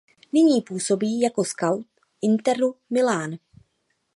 Nyní působí jako skaut Interu Milán.